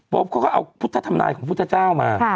เขาก็เอาพุทธธรรมนายของพุทธเจ้ามา